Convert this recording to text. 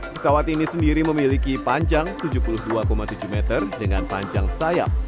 pesawat ini sendiri memiliki panjang tujuh puluh dua tujuh meter dengan panjang sayap